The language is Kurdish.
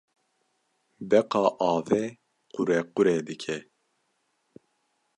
Beqa avê qurequrê dike.